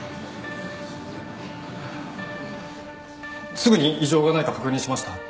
すぐに異常がないか確認しました。